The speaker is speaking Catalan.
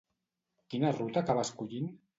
Quina ruta acaba escollint?